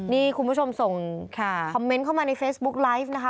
นี่คุณผู้ชมส่งคอมเมนต์เข้ามาในเฟซบุ๊กไลฟ์นะคะ